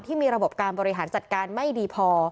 ระบบการบริหารจัดการไม่ดีพอ